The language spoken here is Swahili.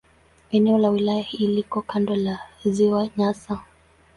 Eneo la wilaya hii liko kando la Ziwa Nyasa.